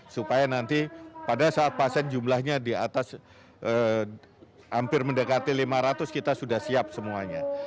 supaya nanti pada saat pasien jumlahnya di atas hampir mendekati lima ratus kita sudah siap semuanya